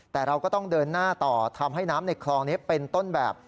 แต่เราก็ต้องเดินหน้าต่อทำให้น้ำในคลองนี้เป็นต้นแบบ